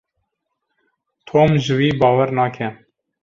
Tom ji wî bawer nake.